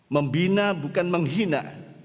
membina bukan menghina